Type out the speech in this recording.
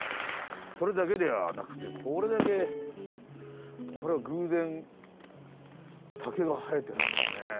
それだけではなくてこれだけこれは偶然竹が生えてるんですね。